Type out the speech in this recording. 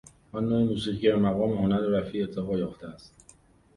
آن نوع موسیقی که به مقام هنر رفیع ارتقا یافته است